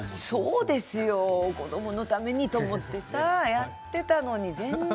本当ですよ子どものためにと思ってさやっていたのに全然。